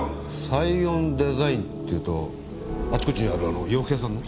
サイオンデザインっていうとあちこちにあるあの洋服屋さんの？